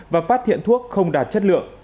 và phát hiện thuốc không đạt chất lượng